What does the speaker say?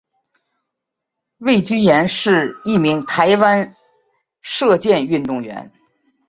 魏均珩是一名台湾射箭运动员。